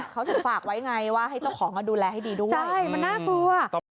เขาถึงฝากไว้ไงว่าให้เจ้าของดูแลให้ดีด้วยใช่มันน่ากลัว